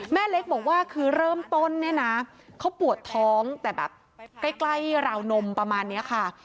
แม่เล็กบอกว่าคือเริ่มต้นเนี่ยนะเขาปวดท้องแต่แบบใกล้ราวนมประมาณนี้ค่ะ